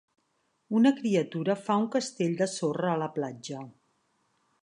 Una criatura fa un castell de sorra a la platja.